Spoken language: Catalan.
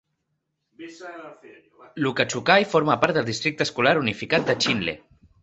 Lukachukai forma part del districte escolar unificat de Chinle.